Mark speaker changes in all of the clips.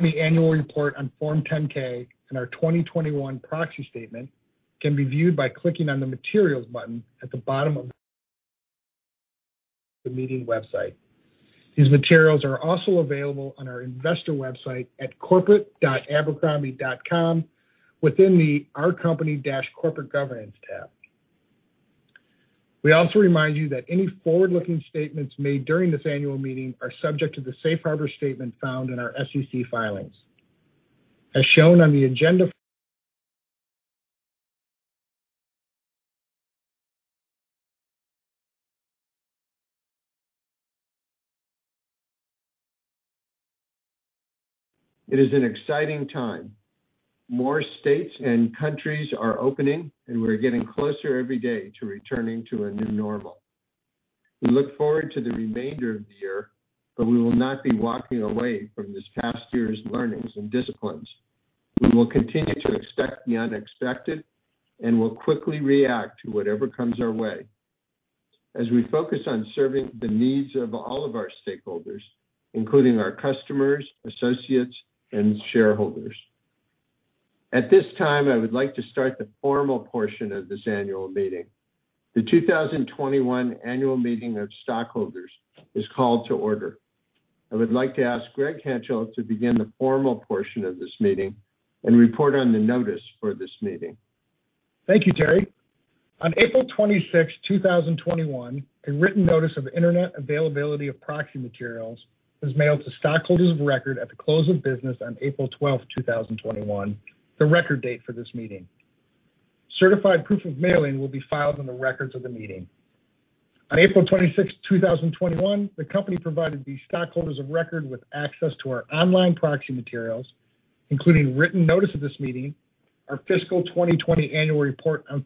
Speaker 1: The annual report on Form 10-K and our 2021 proxy statement can be viewed by clicking on the Materials button at the bottom of the meeting website. These materials are also available on our investor website at corporate.abercrombie.com within the Our Company - Corporate Governance tab. We also remind you that any forward-looking statements made during this annual meeting are subject to the safe harbor statement found in our SEC filings. As shown on the agenda. It is an exciting time. More states and countries are opening, and we're getting closer every day to returning to a new normal. We look forward to the remainder of the year, but we will not be walking away from this past year's learnings and disciplines. We will continue to expect the unexpected and will quickly react to whatever comes our way as we focus on serving the needs of all of our stakeholders, including our customers, associates, and shareholders. At this time, I would like to start the formal portion of this annual meeting. The 2021 Annual Meeting of Stockholders is called to order. I would like to ask Greg Henchel to begin the formal portion of this meeting and report on the notice for this meeting.
Speaker 2: Thank you, Terry. On April 26, 2021, a written notice of internet availability of proxy materials was mailed to stockholders of record at the close of business on April 12th, 2021, the record date for this meeting. Certified proof of mailing will be filed in the records of the meeting. On April 26th, 2021, the company provided the stockholders of record with access to our online proxy materials, including written notice of this meeting, our fiscal 2020 annual report on,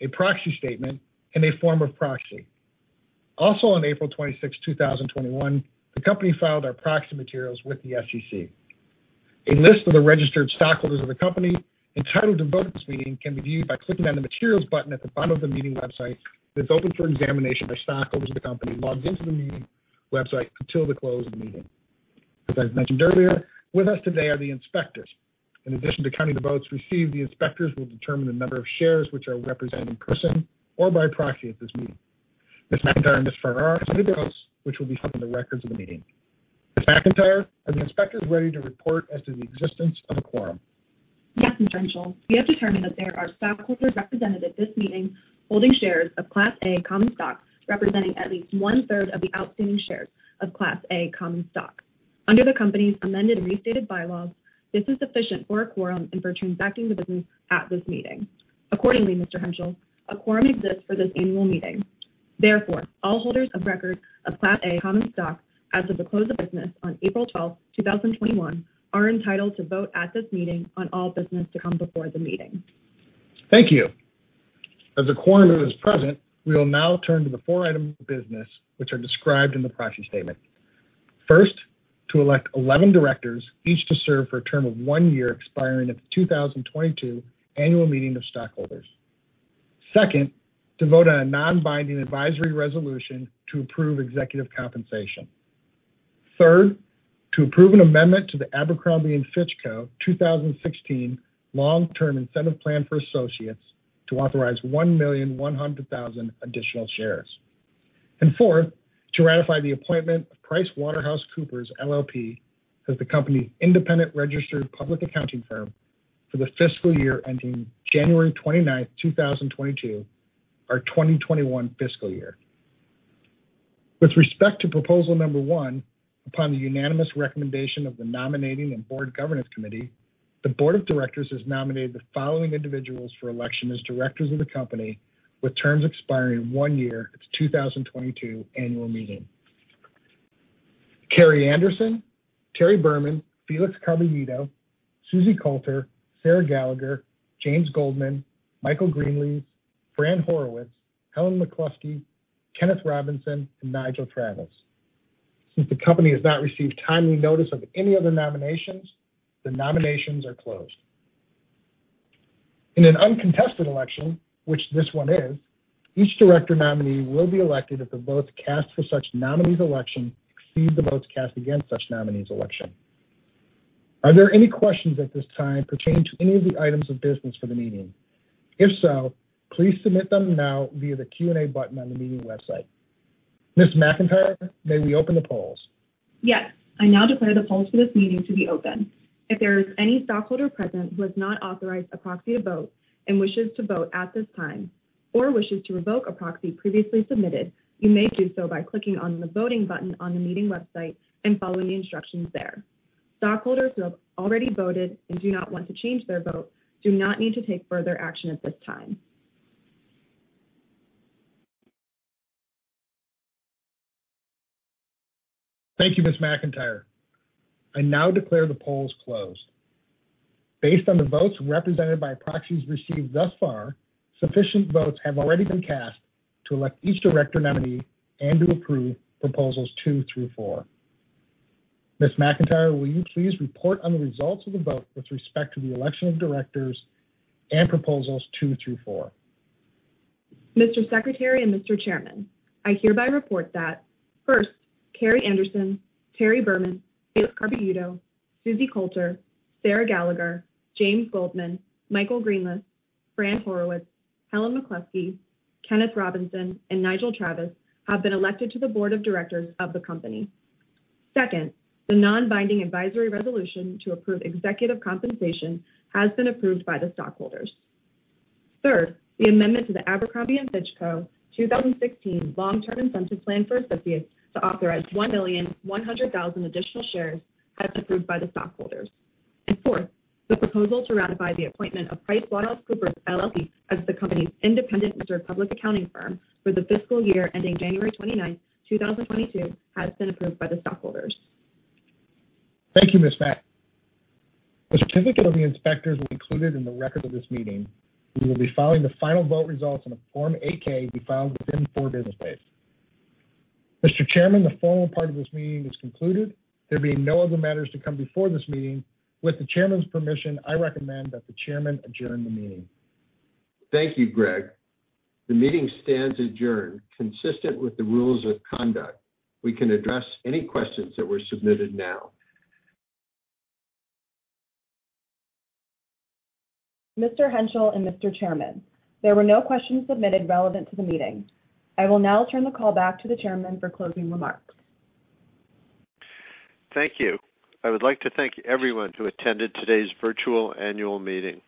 Speaker 2: a proxy statement, and a form of proxy. Also on April 26th, 2021, the company filed our proxy materials with the SEC. A list of the registered stockholders of the company entitled to vote at this meeting can be viewed by clicking on the Materials button at the bottom of the meeting website that's open for examination by stockholders of the company logged into the meeting website until the close of the meeting. As I mentioned earlier, with us today are the inspectors. In addition to counting votes received, the inspectors will determine the number of shares which are represented in person or by proxy at this meeting. Ms. McIntyre and Ms. Farrar are the individuals which will be keeping the records of the meeting. Ms. McIntyre, are the inspectors ready to report as to the existence of a quorum?
Speaker 3: Yes, Mr. Henchel. We have determined that there are stockholders represented at this meeting holding shares of Class A Common Stock representing at least one-third of the outstanding shares of Class A Common Stock. Under the company's amended and restated bylaws, this is sufficient for a quorum for transacting the business at this meeting. Accordingly, Mr. Henchel, a quorum exists for this annual meeting. Therefore, all holders of record of Class A Common Stock as of the close of business on April 12th, 2021, are entitled to vote at this meeting on all business to come before the meeting.
Speaker 2: Thank you. As a quorum is present, we will now turn to the four items of business, which are described in the proxy statement. First, to elect 11 directors, each to serve for a term of one year expiring at the 2022 Annual Meeting of Stockholders. Second, to vote on a non-binding advisory resolution to approve executive compensation. Third, to approve an amendment to the Abercrombie & Fitch Co. 2016 Long-Term Incentive Plan for Associates to authorize 1,100,000 additional shares. Fourth, to ratify the appointment of PricewaterhouseCoopers LLP as the company's independent registered public accounting firm for the fiscal year ending January 29th, 2022, our 2021 fiscal year. With respect to proposal number one, upon the unanimous recommendation of the Nominating and Board Governance Committee, the Board of Directors has nominated the following individuals for election as directors of the company with terms expiring one year at the 2022 annual meeting. Kerrii Anderson, Terry Burman, Felix Carbullido, Susie Coulter, Sarah Gallagher, James Goldman, Michael Greenlees, Fran Horowitz, Helen McCluskey, Kenneth Robinson, and Nigel Travis. Since the company has not received timely notice of any other nominations, the nominations are closed. In an uncontested election, which this one is, each director nominee will be elected if the votes cast for such nominee's election exceed the votes cast against such nominee's election. Are there any questions at this time pertaining to any of the items of business for the meeting? If so, please submit them now via the Q&A button on the meeting website. Ms. McIntyre, may we open the polls?
Speaker 3: Yes. I now declare the polls for this meeting to be open. If there is any stockholder present who has not authorized a proxy to vote and wishes to vote at this time or wishes to revoke a proxy previously submitted, you may do so by clicking on the Voting button on the meeting website and following the instructions there. Stockholders who have already voted and do not want to change their vote do not need to take further action at this time.
Speaker 2: Thank you, Ms. McIntyre. I now declare the polls closed. Based on the votes represented by proxies received thus far, sufficient votes have already been cast to elect each director nominee and to approve proposals two through four. Ms. McIntyre, will you please report on the results of the vote with respect to the election of directors and proposals two through four?
Speaker 3: Mr. Secretary and Mr. Chairman, I hereby report that first, Kerrii Anderson, Terry Burman, Felix Carbullido, Susie Coulter, Sarah Gallagher, James Goldman, Michael Greenlees, Fran Horowitz, Helen McCluskey, Kenneth Robinson, and Nigel Travis have been elected to the Board of Directors of the company. Second, the non-binding advisory resolution to approve executive compensation has been approved by the stockholders. Third, the amendment to the Abercrombie & Fitch Co. 2016 Long-Term Incentive Plan for Associates to authorize 1,100,000 additional shares has been approved by the stockholders. Fourth, the proposal to ratify the appointment of PricewaterhouseCoopers LLP as the company's independent registered public accounting firm for the fiscal year ending January 29, 2022, has been approved by the stockholders.
Speaker 2: Thank you, Ms. Beck. The certificate of the inspectors is included in the record of this meeting. We will be filing the final vote results on a Form 8-K to be filed within four business days. Mr. Chairman, the formal part of this meeting is concluded. There being no other matters to come before this meeting, with the chairman's permission, I recommend that the chairman adjourn the meeting.
Speaker 1: Thank you, Greg. The meeting stands adjourned. Consistent with the rules of conduct, we can address any questions that were submitted now.
Speaker 3: Mr. Henschel and Mr. Chairman, there were no questions submitted relevant to the meeting. I will now turn the call back to the chairman for closing remarks.
Speaker 1: Thank you. I would like to thank everyone who attended today's virtual annual meeting.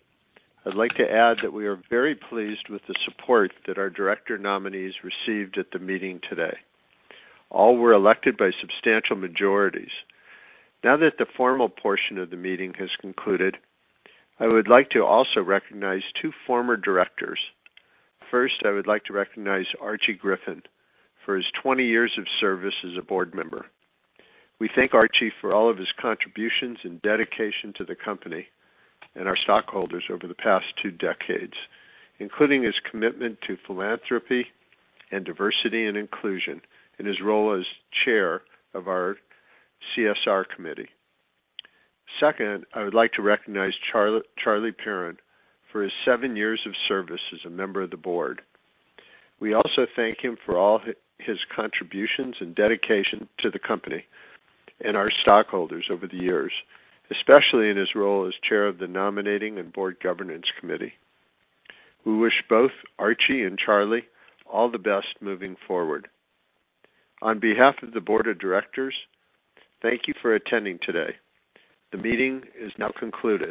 Speaker 1: I'd like to add that we are very pleased with the support that our director nominees received at the meeting today. All were elected by substantial majorities. Now that the formal portion of the meeting has concluded, I would like to also recognize two former directors. First, I would like to recognize Archie Griffin for his 20 years of service as a board member. We thank Archie for all of his contributions and dedication to the company and our stockholders over the past two decades, including his commitment to philanthropy and diversity and inclusion in his role as chair of our CSR committee. Second, I would like to recognize Charlie Perrin for his seven years of service as a member of the board. We also thank him for all his contributions and dedication to the company and our stockholders over the years, especially in his role as chair of the Nominating and Board Governance Committee. We wish both Archie Griffin and Charlie Perrin all the best moving forward. On behalf of the Board of Directors, thank you for attending today. The meeting is now concluded.